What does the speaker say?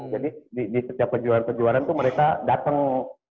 jadi di setiap pejuara pejuaraan tuh mereka dateng